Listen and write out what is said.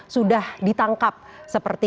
sudah ditangkap seperti